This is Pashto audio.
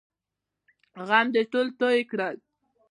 غم دې ټول توی کړل!